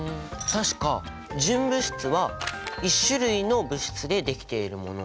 確か純物質は１種類の物質でできているもの。